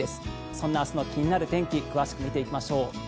そんな明日の気になる天気詳しく見ていきましょう。